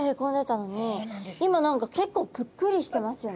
今何か結構ぷっくりしてますよね。